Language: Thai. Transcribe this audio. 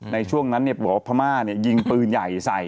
ในช่วงนั้นบอกว่าพม่ายิงปืนใหญ่ใส่